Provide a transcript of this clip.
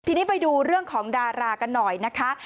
ทีนี้ไปดูเรื่องของดารากันหน่อยนะคะ